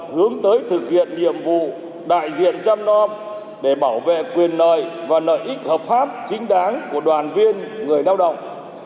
hướng tới thực hiện nhiệm vụ đại diện trăm non để bảo vệ quyền nợi và nợ ích hợp pháp chính đáng của đoàn viên người lao động